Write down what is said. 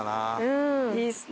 いいですね。